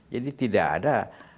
jadi tidak ada